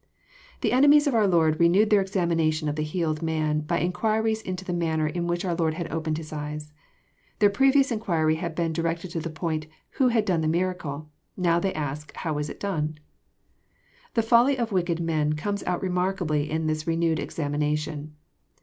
'] The enemies of our liord renewed their examination of the healed man, by in quiries into the manner in which onr Lord had opened his eyes. Their previous inquiry had been directed to the point, " who had done the miracle ?" They now ask " how it was done ?The folly of wicked men comes out remarkably in this re newed examination.